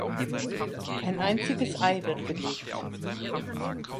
Ein einziges Ei wird gelegt.